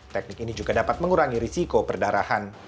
teknik ini juga dapat mengurangi risiko perdarahan